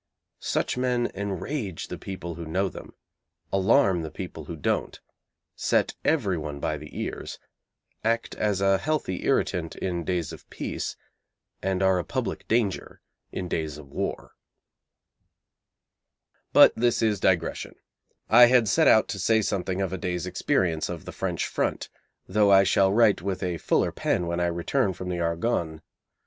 Such men enrage the people who know them, alarm the people who don't, set every one by the ears, act as a healthy irritant in days of peace, and are a public danger in days of war. But this is digression. I had set out to say something of a day's experience of the French front, though I shall write with a fuller pen when I return from the Argonne.